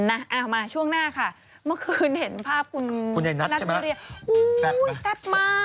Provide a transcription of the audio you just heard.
เอามาช่วงหน้าค่ะเมื่อคืนเห็นภาพคุณนัทพิเศษ